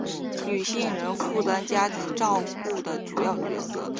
女性仍负担家庭照顾的主要角色